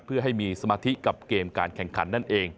เพื่อให้มีสมาธิกับเกมการแข่งขันนั่นเอง